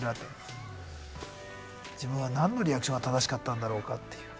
自分は何のリアクションが正しかったんだろうかっていう。